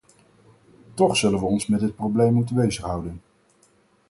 Toch zullen we ons met dit probleem moeten bezighouden.